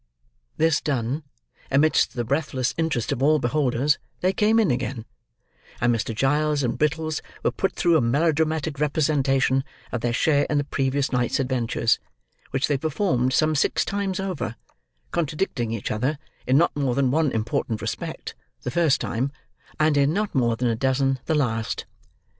This done, amidst the breathless interest of all beholders, they came in again; and Mr. Giles and Brittles were put through a melodramatic representation of their share in the previous night's adventures: which they performed some six times over: contradicting each other, in not more than one important respect, the first time, and in not more than a dozen the last.